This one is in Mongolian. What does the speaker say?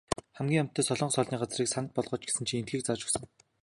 Хамгийн амттай солонгос хоолны газрыг санал болгооч гэсэн чинь эндхийг зааж өгсөн.